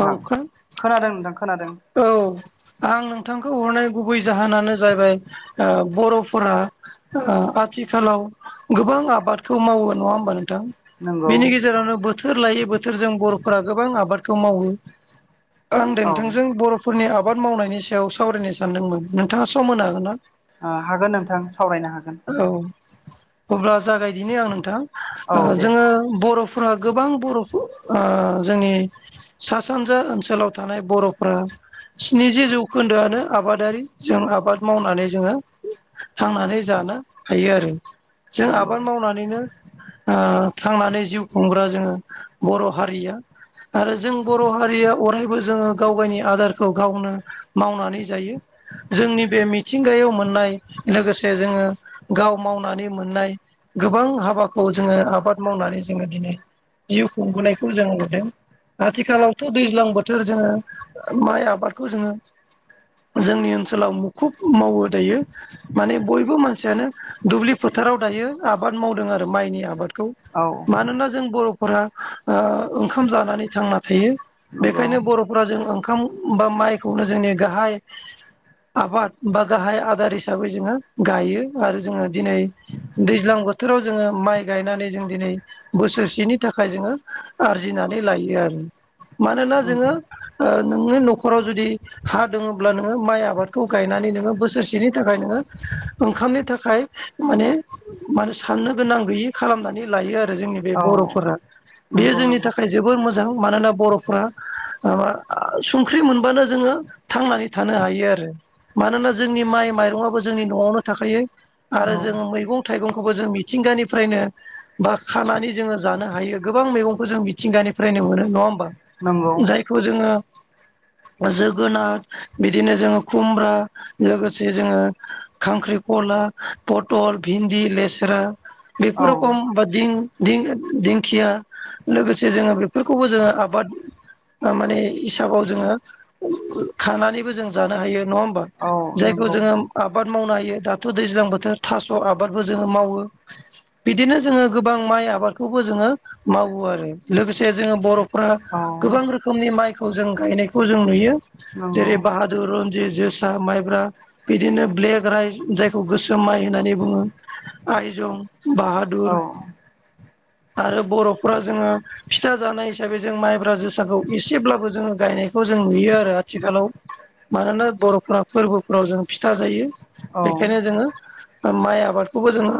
औ खोनादों नोंथां खोनादों। औ आं नोंथांखौ हरनाय गुबै जाहोनानो जाहैबाय ओ बर'फोरा ओ आथिखालाव गोबां आबादखौ मावो नङा होमबा नोंथां? नंगौ बेनि गेजेरावनो बोथोर लायै बोथोरजों बर'फोरा गोबां आबादखौ मावो। आं औ नोंथांजों बर'फोरनि आबाद मावनायनि सायाव सावरायनो सानदोंमोन नोंथाङा सम होनो हागोनना? आ हागोन नोंथां सावरायनो हागोन औ अब्ला जागायदिनो आं नोंथां औ ओ दे जोङो बर' फोरा गोबां बर'फोर ओ जोंनि सा सानजा ओनसोलाव थानाय बर'फ्रा स्निजि जौखोन्दोआनो आबादारि जों आबाद मावनानै जोङो थांनानै जानो हायो आरो जों नंगौ आबाद मावनानैनो ओ थांनानै जिउ खुंग्रा जोङो बर' हारिया आरो जों बर' हारिया अरायबो जोङो गाव गावनि आदारखौ गावनो मावनानै जायो जोंनि बे मिथिंगायाव मोननाय लोगोसे जोङो गाव मावनानै मोननाय गोबां हाबाखौ जोङो आबाद मावनानै जोङो दिनै जिउ खुंबोनायखौ जों नुदों। आथिखालावथ' दैज्लां बोथोर जोङो माइ आबादखौ जोङो जोंनि ओनसोलाव मुखुब मावो दायो माने बयबो मानसियानो दुब्लि फोथाराव दायो आबाद मावदों आरो माइनि आबादखौ औ मानोना जों बर'फोरा ओ ओंखाम जानानै थांना थायो। नंगौ बेखायनो बर'फोरा जों ओंखाम बा माइखौनो जोंनि गाहाय आबाद बा गाहाय आदार हिसाबै जोंङो गायो आरो जोंङो दिनै दैज्लां बोथोराव जोंङो माइ गायनानै जों दिनै बोसोरसेनि थाखाय जोंङो आरजिनानै लायो आरो मानोना जोंङो नंगौ नोंनि न'खराव जुदि हा दोङोब्ला नोंङो माइ आबादखौ गायनानै नोंङो बोसोरसेनि थाखाय नोंङो ओंखामनि थाखाय माने माने साननो गोनां गैयि खालामनानै लायो आरो जोंनि बे औ बर'फोरा बेयो नंगौ जोंनि नंगौ थाखाय जोबोर मोजां मानोना बर'फ्रा माबा संख्रि मोनबानो जोंङो थांनानै थानो हायो आरो मानोना जोंनि माइ माइरंआबो जोंनि न'आवनो थाखायो आरो औ जों मैगं थाइगंखौबो जों मिथिंगानिफ्रायनो बा खानानै जोंङो जानो हायो गोबां मैगंखौ जों मिथिंगानिफ्रायनो मोनो नंङा होमबा नंगौ बेखौ जोंङो जोगोनार बिदिनो जोंङो खुमब्रा लोगोसे जोंङो खांख्रिखला पटल भिन्दि लेस्रा औ बेफोर रोखम बा दिं दिं-दिंखिया लोगोसे जोंङो बेफोरखौबो जोंङो आबाद माने हिसाबाव जोंङो खांनानैबो जों जानो हायो नंङा होमबा औ नंगौ जोंङो आबाद मावनो हायो दाथ' दैज्लां बोथोर थास' आबादबो जोंङो मावो बिदिनो जोंङो गोबां माइ आबादखौबो जोंङो मावो आरो लोगोसे जोंङो बर'फ्रा औ गोबां रोखोमनि माइखौ जों गायनायखौ जों नुयो नंगौ जेरै बाहादुर रनजित जोसा माइब्रा बिदिनो ब्लेक राइज जायखौ गोसोम माइ होननानै बुङो आइजं, बाहादुर औ आरो बर'फोरा जोंङो फिथा जानाय हिसाबै जों माइब्रा जोसाखौ एसेब्लाबो जोंङो गायनायखौ जों नुयो आरो आथिखालाव मानोना बर'फ्रा फोरबोफोराव जों फिथा जायो। औ बेखायनो नंगौ जोंङो माइ आबादखौबो जोंङो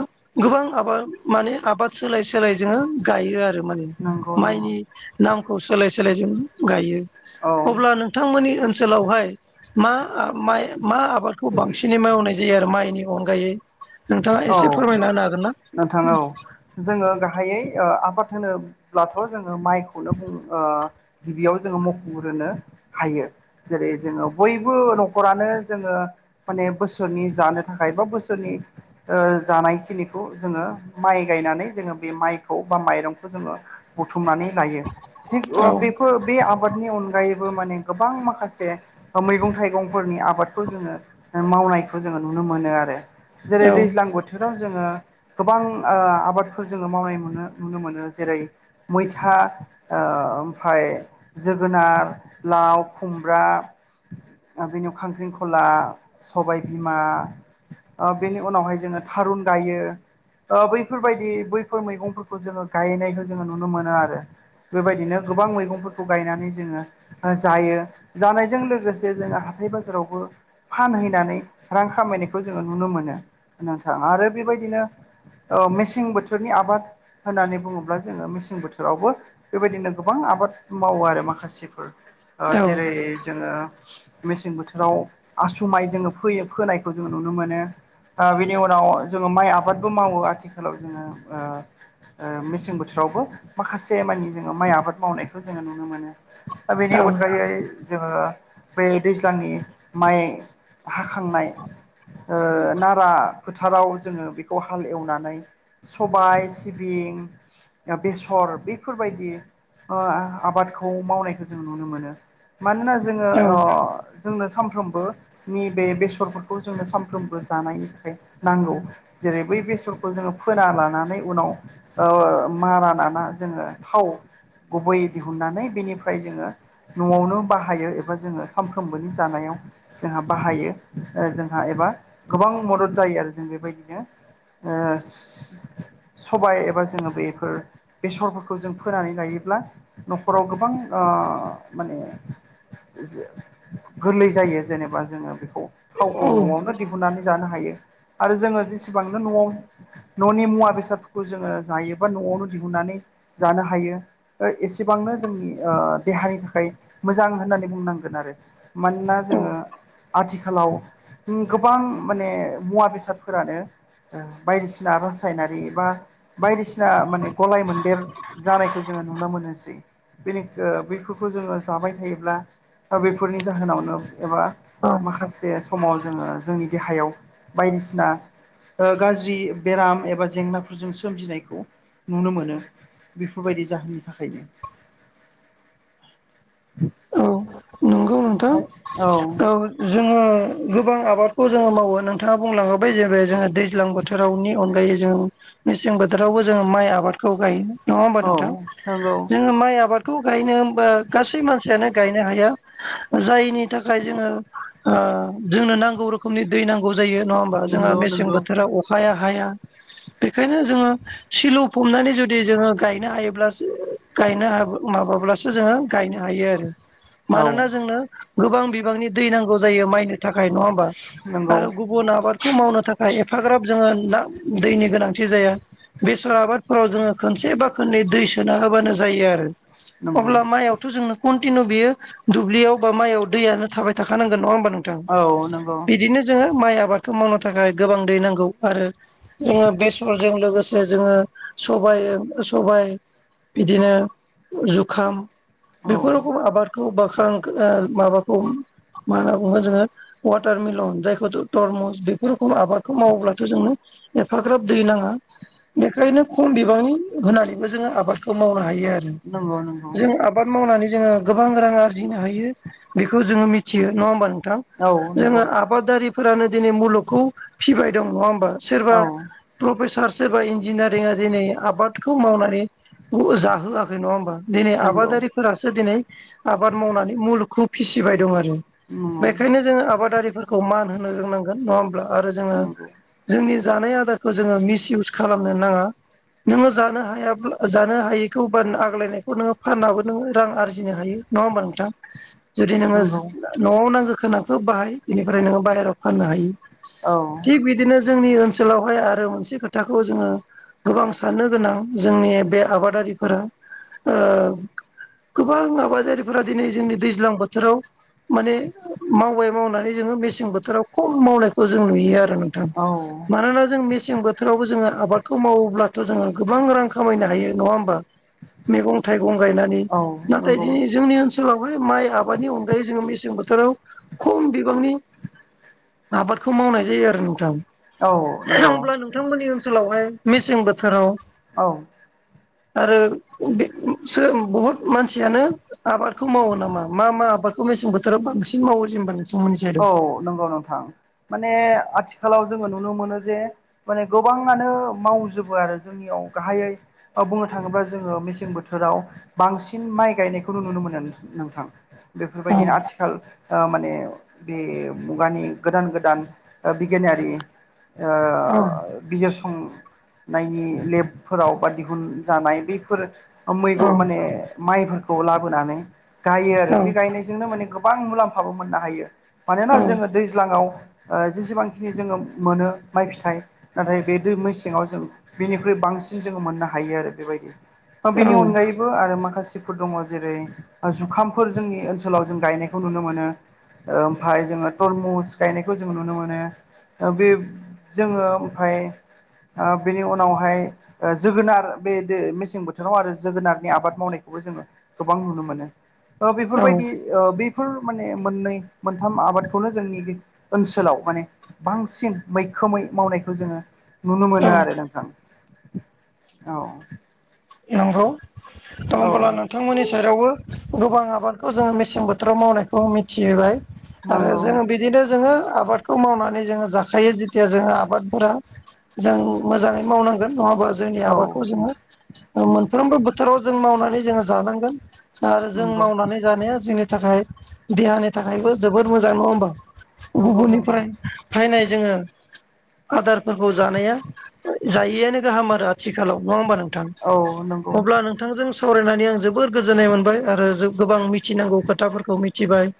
गोबां आबाद माने आबाद सोलाय सोलाय जोंङो गायो आरो माने नंगौ माइनि नामखौ सोलाय सोलाय जों गायो। औ अब्ला नोंथांमोननि ओनसोलावहाय मा मा आबादखौ बांसिनै मावनाय जायो आरो माइनि अनगायै नोंथांङा एसे फोरमायना होनो हागोन ना? जोंङो गाहायै ओ आबाद होनोब्लाथ' जोंङो माइखौनो बुं गिबियाव जोंङो मख'ग्रोनो हाय जेरै जोङो बयबो न'खरानो जोंङो। माने बोसोरनि जानो थाखाय बा बोसोरनि ओ जानायखिनिखौ जोंङो माइ गायनानै जोंङो बे माइखौ बा माइरंखौ जोंङो बुथुमनानै लायो थिग औ बे बे आबादनि अनगायैबो माने गोबां माखासे मैगं थाइगंफोरनि आबादखौ जोंङो मावनायखौ जोंङो नुनो मोनो आरो जेरै औ दै बोथोराव जोंङो गोबां ओ आबादफोर जोंङो मावनाय नुनो मोनो जेरै मैथा ओ ओमफाय जोगोनार लाव खुमब्रा बेनियाव खांख्रिखला सबाय बिमा बेनि ओ उनावहाय जोंङो थारुन गाय। बैफोरबायदि बैफोर मैगंफोरखौ जोंङो गायनायखौ जोंङो नुनो मोनो आरो बेबायदिनो गोबां मैगंफोरखौ गायनानै जोङो जायो जानायजों लोगोसे जोङो हाथाय बाजारावबो फानहैनानै रां खामायनायखौ जोङो नुनो मोनो नोंथां आरो बेबायदिनो मेसें बोथोरनि आबाद होननानै बुङोब्ला जोङो मेसें बोथोरावबो बेबायदिनो गोबां आबाद मावो आरो माखासेफोर औ जेरै जोङो मेसें बोथोराव आसुमाय जोङो फोयो फोनायखौ जोङो नुनो मोनो। ओ बिनि उनाव जोङो माइ आबादबो मावो आथिखालाव जोङो मेसें बोथोरावबो माखासे मानि जोङो माइ आबाद मावनायखौ जोङो नुनो मोनो। दा बेनि अनगायै जोङो बे दैज्लांनि माइ हाखांनाय ओ ना फोथाराव जोङो बेखौ हाल एवनानै सबाय सिबिं बेसर बेफोरबायदि ओ आ -आबादखौ मावनायखौ जों नुनो मोनो मानोना जों जोङो औ अ जोंनो सानफ्रोमबोनि बेे बेसरफोरखौ जोङो सानफ्रोमबो जानायनि नांगौ जेरै बै बेसरखौ जोङो फोना लानानै उनाव ओ मारा नाना जोङो थाव गुबैयै दिहुननानै बेनिफ्राय जोङो न'आवनो बाहायो एबा जोङो सानफ्रोमबोनि जानायाव जोंहा बाहायो जोंहा एबा गोबां मदद जायो आरो जों बेबायदिनो ओस सबाय एबा जोङो बेफोर बेसरफोरखौ जों फोनानै लायोब्ला न'खराव गोबां ओ माने गोरलै जायो जेनेबा जोङो बेखौ थावखौ न'आवनो दिहुननानै जानो हायो आरो जोङो जेसेबांनो न'आव न'नि मुवा बेसादफोरखौ जोङो जायोबा न'आवनो दिहुननानै जानो हायो एसेबांनो जोंनि देहानि थाखाय मोजां होननानै बुंनांगोन आरो। मानोना औ जोङो आथिखालाव गोबां माने मुवा बेसादफोरानो बायदिसिना रासायनारि एबा बायदिसिना माने गलाय मोन्देर जानायखौ जोङो नुनो मोनोसै। बेनि बेफोरखौ जोङो जाबाय थायोब्ला बेफोरनि जाहोनावनो एबा औ माखासे समाव जोङो जोंनि देहायाव बायदिसिना गाज्रि बेराम एबा जेंनाफोरजों सोमजिनायखौ नुनो मोनो। बेफोरबायदि जाहोननि थाखायनो औ नंगौ नोंथां ओमफ्राय औ। जोङो गोबां आबादखौ जोङो मावो नोंथाङा बुंलाङोबाय जे बे जोङो दैज्लां बोथोर बोथोरावनि अनगायै जों मेसें बोथोरावबो जोङो माइ आबादखौ गायो। नङा होमबा औ नोंथां जोङो माइ आबादखौ गायनो होमबा गासै मानसि यानो गायनो हाया जायनि थाखाय जोङो जोंनो नांगौ रोखोम रोखोमनि दै नांगौ जायो नङा होमबा जोंहा नंगौ नंगौ मेसें बोथोरा अखाया हाया बेखायनो जोङो सिलु फबनानै जुदि जोङो गायनो हायोब्लासो गायनो माबाब्लासो जोङो गायनो हायो आरो। औ मानोना जोंनो गोबां बिबांनि दै नांगौ जायो माइ थाखाय नङा होमबा नंगौ आरो गुब गुबुन आबादखौ मावनो थाखाय एफाग्राब जोङो ना दैनि गोनांथि जाया। बेसर आबादफोराव जोङो खनसे बा खोननै दै सोना होबानो जायो आरो। नंगौ अब्ला माइआवथ' जोंनो कन्टिनिउ बियो दुब्लियाव बा माइआव दैयानो थाबाय थाखानांगोन नङा होमबा नों थां औ नंगौ बिदिनो जोङो माइ आबादखौ मावनो थाखाय गोबां दै नांगौ आरो जोङो बेसरजों लोगोसे जोङो सबाय-सबाय बिदिनो जुखाम औ बेफोर रखम आबादखौ बा खां माबाखौ मा होनना बुंगोन जोङो वाटार मिलन जायखौ तरमस बेफोर रोखोम आबादखौ मावोब्लाथ' जोंनो एफाग्राब दै नाङा। बेखायनो खम बिबांनि होनानैबो जोङो आबादखौ मावनो हायो आरो नंगौ नंगौ जों आबाद मावनानै जोङो गोबां रां आरजिनो हायो बेखौ जोङो मिथियो नङा होमबा नोंथां? औ नंगौ औ जोङो नंगौ आबादारिफोरानो दिनै मुलुगखौ फिबाय दं नङा होमबा सोरबा प्रफेसार सोरबा इन्जिनारिंआ दिनै आबादखौ मावनानै जाहोआखै नङा होमबा? दिनै नंगौ आबादारिफोरासो दिनै आबाद मावनानै मुलुगखौ फिसिबाय दं आरो। बेखायनो जोङो आबादारिफोरखौ मान होनो रोंनांगोन नङा होमब्ला आरो जोङो नंगौ जोंनि जानाय आदारखौ जोङो मिस इउस खालामनो नाङा। नोङो जानो हायाब्ला जानो हायिखौ बा आग्लायनायखौ नोङो फाननाबो हर नोङो रां आरजिनो हायो नङा होमबा नोंथां जुदि नोङो नंगौ न'आव नांगौ खोनाखो बाहाय बेनिफ्राय नोङो बायहेरायाव फाननो हायो। औ। थिग बिदिनो जोंनि ओनसोलावहाय आरो मोनसे खोथाखौ जोङो गोबां साननो गोनां। जोंनि बे आबादारिफोरा ओ गोबां आबादारिफोरा दिनै जोंनि दैज्लां बोथोराव माने मावबाय मावनानै जोङो मेसें बोथोराव खम मावनायखौ जों नुयो आरो। नोंथां औ मानोना जों मेसें बोथोरावबो जोङो आबादखौ मावोब्ला थ' जोङो गोबां रां खामायनो हायो नङा होमबा मैगं-थाइगं गायनानै। औ नाथाय नंगौ दिनै जोंनि ओनसोलावहाय माइ आबादनि अनगायै जोङो मेसें बोथोराव खम बिबांनि आबादखौ मावनाय जायो आरो नोंथां औ नंगौ होमब्ला नों नोंथांमोननि ओनसोलावहाय मेसें बोथोराव औ। आरो [unintelligible] बहुत मानसियानो आबादखौ मावो नामा मा मा आबादखौ मेसें बोथोराव बांसिन मावो जेनेबा नोंथांमोननि औ साइडआव नंगौ नोंथां माने आथिखालाव जोङो नुनो मोनो जे माने गोबाङानो मावजोबो आरो जोंनियाव गाहायै औ बुंनो थाङोब्ला जोङो मेसें बोथोराव बांसिन माइ गायनायखौनो नुनो मोनो नोंथां। बेफोरबायदिनो आथिखाल ओ माने बे मुगानि गोदान गोदान ओ बिगियानारि ओ औ बिजिरसं नायनि लेबफोराव बा दिहुनजानाय बैफोर अ मैग' औ माने माइफोरखौ लाबोनानै गायो आरो औ बे गायनाय -जोंनो माने गोबां मुलाम्फाबो मोननो हायो मानोना जोङो औ दैज्लाङाव ओ जेसेबांखिनि जोङो मोनो माइ फिथाइ नाथाय बे दै मेसेङाव जों बेनिख्रुइ बांसिन जोङो मोननो हायो आरो बेबायदि ओ बेनि औ अनगायैबो आरो माखासे -फोर दङ जेरै ओ जुखामफोर जोंनि ओनसोलाव जों गायनायखौ नुनो मोनो। ओमफाय जोङो तरमुस गायनायखौ जों नुनो मोनो बे जोङो ओमफाय ओ बेनि उनावहाय ओ जोगोनार बे बे मेसें बोथोराव आरो जोगोनारनि आबाद मावनायखौबो जोङो गोबां नुनो मोनो। ओ बेफोरबायदि औ ओ बेफोर माने मोननै मोनथाम आबादखौनो जोंनि बे ओनसोलाव माने बांसिन मैखोमै मावनायखौ जोङो नुनो औ मोनो आरो नोंथां औ। नोंगौ दा होमबोब्ला नों औ [unintelligible] बिथांमोननि सायदावबो गोबां आबादखौ जोङो मेसें बोथोराव मावनायखौ मि [unintelligible] आरो नंगौ जों बिदिनो जोङो आबादखौ मावनानै जोङो जाखायो जिथिया जोङो आबादफोरा जों मोजाङै मावनांगौ जों नङाबा जोंनि औ आबादखौ जोङो मोनफ्रोमबो बोथोराव जों मावनानै जोङो जानांगोन। आरो जों नंगौ मावनानै जानाया जोंनि थाखाय देहानि थाखायबो जोबद मोजां नङा होमबा नंगौ नंगौ गुबुननिफ्राय फैनाय जोङो आदारफोरखौ जानाया जायैआनो गाहाम आरो आथिखालाव नङा होमबा नोंथां औ नों अब्ला नोंथांजों सावरायनानै आं जोबोर गोजोननाय मोनबाय आरो गोबां मिथिनांगौ खोथाफोरखौ मिथ थिबाय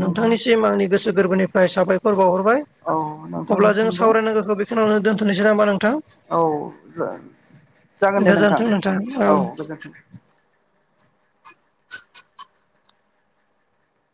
नंगौ नोंथांनिसिम आंनि गोसो गोरबोनिफ्राय साबायखर बावहरबाय औ अब्ला जों नोंथांनिसिमबो सावरायनांगोखो बेखिनियावनो दोन्थ'नोसै नामा नोंथां औ जागोन दे नोंथां औ गोजोन्थों